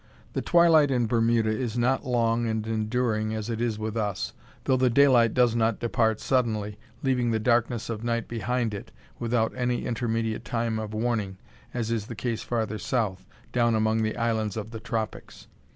The twilight in Bermuda is not long and enduring as it is with us, though the daylight does not depart suddenly, leaving the darkness of night behind it without any intermediate time of warning, as is the case farther south, down among the islands of the tropics.